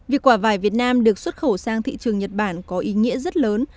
việc quả vải việt nam được xuất khẩu sang thị trường nhật bản có ý nghĩa rất lớn